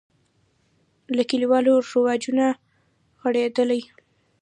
له کلیوالي رواجونو غړېدلی.